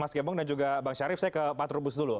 mas gembong dan juga bang syarif saya ke pak trubus dulu